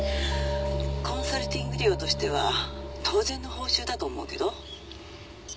「コンサルティング料としては当然の報酬だと思うけど？」